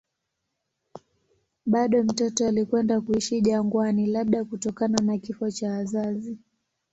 Bado mtoto alikwenda kuishi jangwani, labda kutokana na kifo cha wazazi.